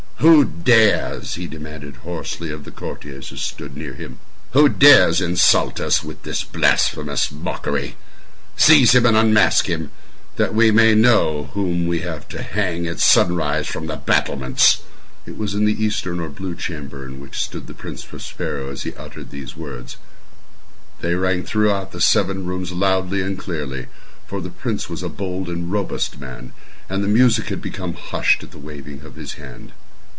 "Who dares?" he demanded hoarsely of the courtiers who stood near him—"who dares insult us with this blasphemous mockery? Seize him and unmask him—that we may know whom we have to hang at sunrise, from the battlements!" It was in the eastern or blue chamber in which stood the Prince Prospero as he uttered these words. They rang throughout the seven rooms loudly and clearly—for the prince was a bold and robust man, and the music had become hushed at the waving of his hand.